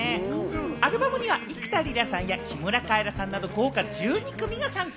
アルバムには幾田りらさんや木村カエラさんなど豪華１２組が参加。